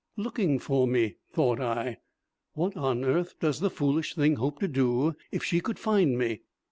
"Looking for me," thought I. "What on earth does the foolish thing hope to do if she could find me?"